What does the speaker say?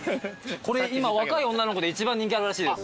これ今若い女の子で一番人気あるらしいです。